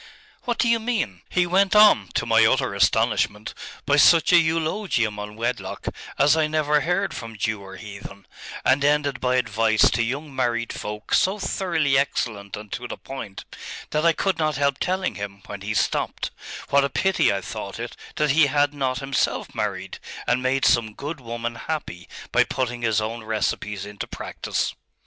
'What do you mean?' 'He went on, to my utter astonishment, by such a eulogium on wedlock as I never heard from Jew or heathen, and ended by advice to young married folk so thoroughly excellent and to the point, that I could not help telling him, when he stopped; what a pity I thought it that he had not himself married, and made some good woman happy by putting his own recipes into practice....